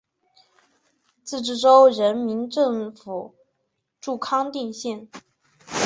自治州人民政府驻康定县。